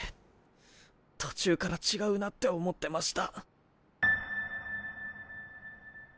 途中から違うなって思ってました。